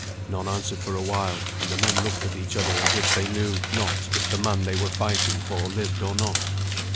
None answered for a while, and the men looked at each other as if they knew not if the man they were fighting for lived or not.